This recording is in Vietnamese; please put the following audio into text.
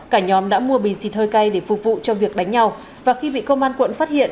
cả nhóm đã mua bình xịt hơi cay để phục vụ cho việc đánh nhau và khi bị công an quận phát hiện